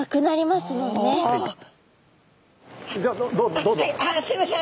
すいません。